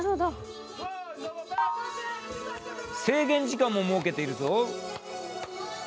制限時間も設けているぞ。